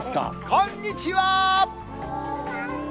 こんにちは！